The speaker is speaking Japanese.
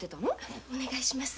お願いします